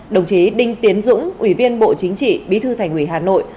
đồng chí đinh tiến dũng ủy viên bộ chính trị bí thư thành ủy hà nội